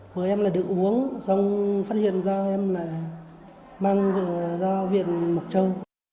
vừa em là đựng uống xong phát hiện ra em là mang từng là ra huyện mộc châu